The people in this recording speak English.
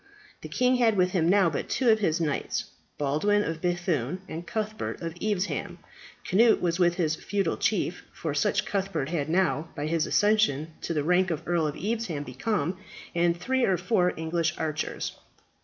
The king had with him now but two of his knights, Baldwin of B‚thune, and Cuthbert of Evesham. Cnut was with his feudal chief for such Cuthbert had now, by his accession to the rank of Earl of Evesham, become and three or four English archers.